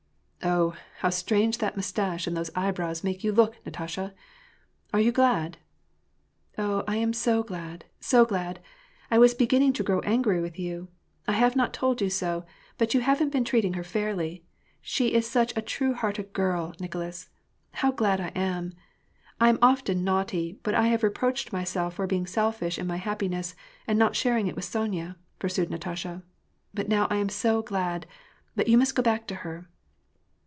" Oh, how strange that mustache and those eyebrows make you look, Natasha !— Are you glad ?"" Oh, I am so glad, so glad ! I was beginning to grow angry with you. I have not told you so ; but you haven't been treat ing her fairly. She is such a true hearted girl, Nicolas. How glad I am ! I am often naughty, but I have reproached myself for being selfish in my happiness, and not snaring it with Sonya," pursued Natasha. "But now I am so glad ; but you must go back to her."